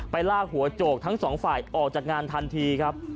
ลากหัวโจกทั้งสองฝ่ายออกจากงานทันทีครับ